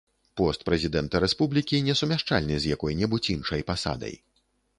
Пост прэзідэнта рэспублікі несумяшчальны з якой-небудзь іншай пасадай.